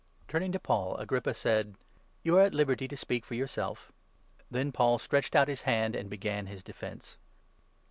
Turning to Paul, Agrippa said : i " You are at liberty to speak for yourself." Then Paul stretched out his hand and began his defence.